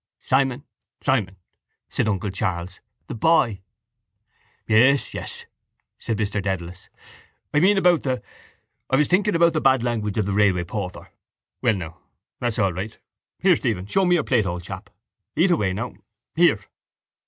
—Simon! Simon! said uncle Charles. The boy. —Yes, yes, said Mr Dedalus. I meant about the... I was thinking about the bad language of the railway porter. Well now, that's all right. Here, Stephen, show me your plate, old chap. Eat away now. Here.